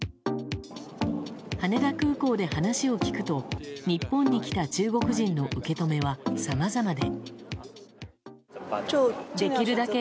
羽田空港で話を聞くと日本に来た中国人の受け止めはさまざまで。